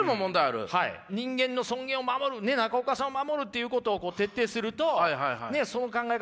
人間の尊厳を守る中岡さんを守るっていうことを徹底するとその考え方